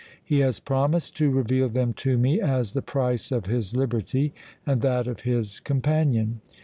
He has promised to reveal them to me as the price of his liberty and that of his companion.